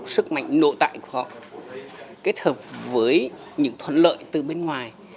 sức mạnh nội tại của họ kết hợp với những thuận lợi từ bên ngoài